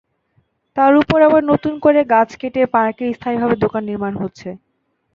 তার ওপর আবার নতুন করে গাছ কেটে পার্কে স্থায়ীভাবে দোকান নির্মাণ হচ্ছে।